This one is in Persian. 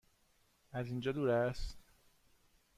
از اینجا دور است؟